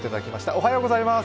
おはようございます。